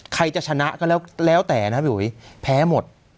ใครจะชนะก็แล้วแต่นะแพ้หมด